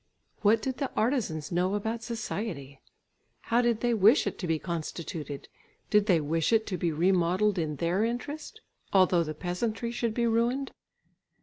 What did the artisans know about society? How did they wish it to be constituted? Did they wish it to be remodelled in their interest, although the peasantry should be ruined?